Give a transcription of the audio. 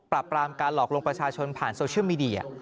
ปราบปรามการหลอกลงประชาชนผ่านโซเชียลมีเดีย